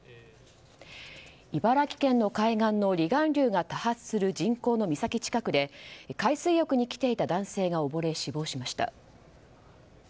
茨城県の海岸の離岸流が多発する人口の岬近くで海水浴に来ていた男性が溺れ死亡しました。